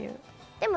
でも。